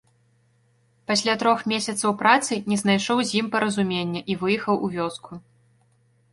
Пасля трох месяцаў працы не знайшоў з ім паразумення і выехаў у вёску.